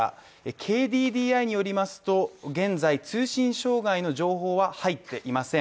ＫＤＤＩによりますと現在、通信障害の情報は入っていません。